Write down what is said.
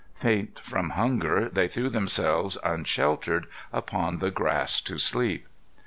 Faint from hunger, they threw themselves unsheltered upon the grass to sleep.